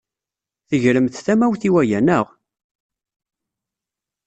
Tegremt tamawt i waya, naɣ?